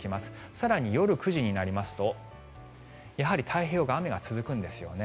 更に夜９時になりますとやはり太平洋側雨が続くんですね。